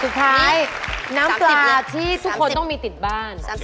น้ำปลาที่ทุกคนต้องมีติดบ้าน